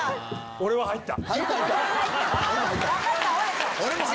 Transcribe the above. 俺は入った！